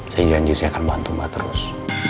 saya janji saya akan bantu mbak terus